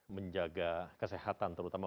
menjaga kesehatan terutama